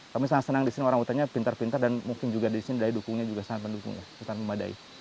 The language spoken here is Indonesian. kami sangat senang disini orang hutannya pintar pintar dan mungkin juga disini daya dukungnya juga sangat mendukung ya